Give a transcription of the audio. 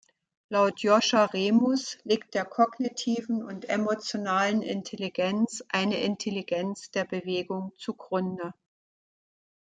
Laut Joscha Remus liegt der kognitiven und emotionalen Intelligenz eine Intelligenz der Bewegung zugrunde.